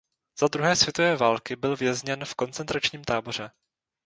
Za druhé světové války byl vězněn v koncentračním táboře.